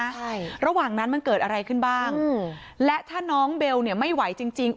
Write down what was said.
ใช่ระหว่างนั้นมันเกิดอะไรขึ้นบ้างอืมและถ้าน้องเบลเนี่ยไม่ไหวจริงจริง